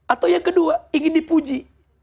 atau yang kedua ingin dipuji